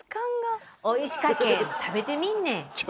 おいしかけん食べてみんね。